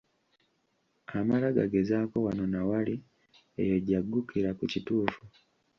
Amala gagezaako wano na wali, eyo gy'aggukira ku kituufu.